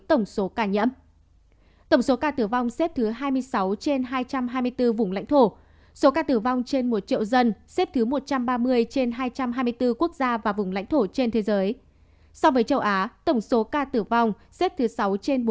tổng số ca tử vong do covid một mươi chín tại việt nam